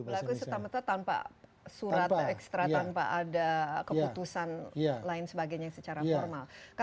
berlaku serta merta tanpa surat ekstra tanpa ada keputusan lain sebagainya secara formal